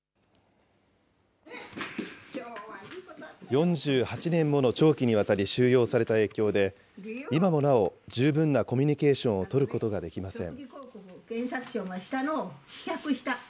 ４８年もの長期にわたり収容された影響で、今もなお、十分なコミュニケーションを取ることができません。